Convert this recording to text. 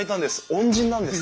恩人なんです。